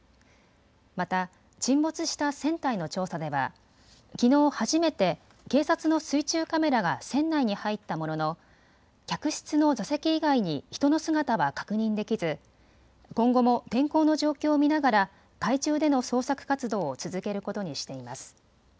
また沈没した船体の調査ではきのう初めて警察の水中カメラが船内に入ったものの客室の座席以外に人の姿は確認できず今後も天候の状況を見ながら海中での捜索活動を続けることにしています。